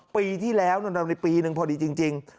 ปีที่แล้วในปีหนึ่งพอดีจริง